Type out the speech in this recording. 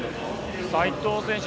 斎藤選手